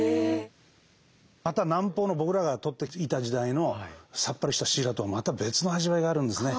また南方の僕らが取っていた時代のさっぱりしたシイラとはまた別の味わいがあるんですね。